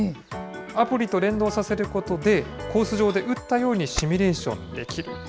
アプリと連動させることで、コース上で打ったようにシミュレーションできる。